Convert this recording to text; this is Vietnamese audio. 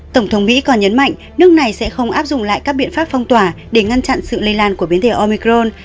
tổng thống mỹ còn nhấn mạnh nước này sẽ không áp dụng lại các biện pháp phong tỏa để ngăn chặn sự lây lan của biến thể omicron